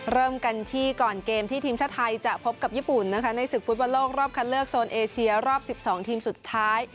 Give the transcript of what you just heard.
เริ่มกันที่ก่อนเกมที่ทีมชาติไทยจะพบกับญี่ปุ่นนะคะในศึกฟุตบอลโลกรอบคัดเลือกโซนเอเชียรอบ๑๒ทีมสุดท้าย